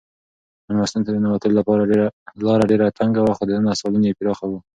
مېلمستون ته د ننوتلو لاره ډېره تنګه وه خو دننه سالون یې پراخه و.